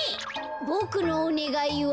ボクのおねがいは。